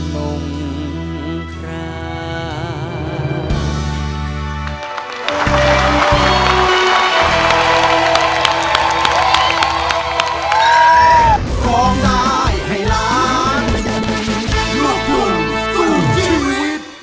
มงคลา